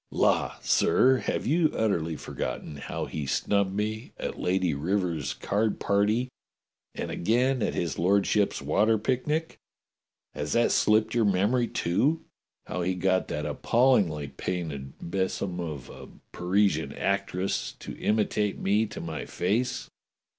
^" "La, sir, have you utterly forgotten how he snubbed me at Lady Rivers's card party and again at his lord ship's water picnic? Has that slipped your memory, too? How he got that appallingly painted besom of a Parisian actress to imitate me to my face?